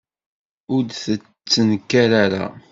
Ur d-tettnekkar ara.